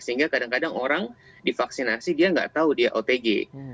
sehingga kadang kadang orang divaksinasi dia nggak tahu dia otg